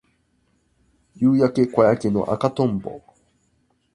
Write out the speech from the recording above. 夕焼け小焼けの赤とんぼ